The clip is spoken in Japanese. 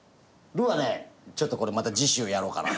ちょっとこれまた次週やろうかなと。